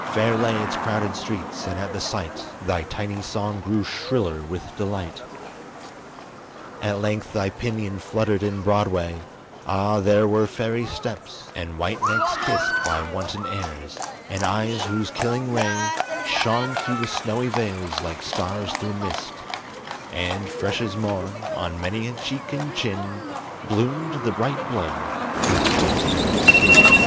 Fair lay its crowded streets, and at the sight Thy tiny song grew shriller with delight. At length thy pinion fluttered in Broadway, Ah, there were fairy steps, and white necks kissed By wanton airs, and eyes whose killing ray Shone through the snowy veils like stars through mist; And fresh as morn, on many a cheek and chin, Bloomed the bright blood through the transparent skin.